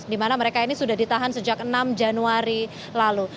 di mana mereka ini sudah ditahan sejak enam januari lalu